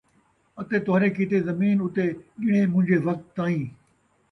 اَتے تہاݙے کِیتے زمین اُتے گِݨیے مُنجے وقت تائیں